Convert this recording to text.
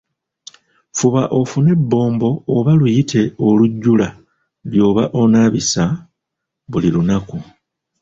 Fuba ofune ebbombo oba liyite olujjula ly'oba onaabisa buli lunaku.